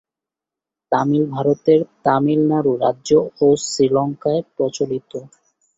তামিল ভারতের তামিলনাড়ু রাজ্য ও শ্রীলঙ্কায় প্রচলিত।